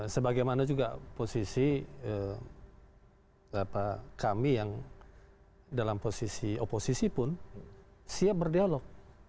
sebagaimana juga posisi kami yang dalam posisi oposisi pun siap berdialog